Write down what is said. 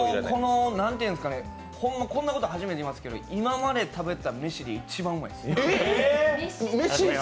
ほんまこんなこと初めて言いますけど、今まで食べたメシで一番うまいです。